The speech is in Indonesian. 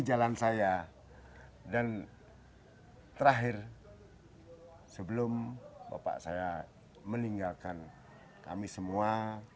jalan saya dan terakhir sebelum bapak saya meninggalkan kami semua